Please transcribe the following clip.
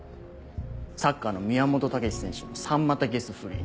サッカーの宮本剛史選手の三股ゲス不倫。